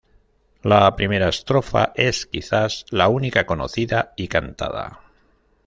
La primera estrofa es quizás la única conocida y cantada.